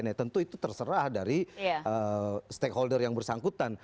nah tentu itu terserah dari stakeholder yang bersangkutan